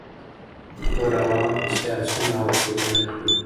ور روان پسي آسونه او پوځیان کړی